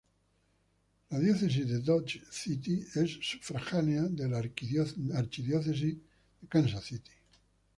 La Diócesis de Dodge City es sufragánea de la Arquidiócesis de Kansas City.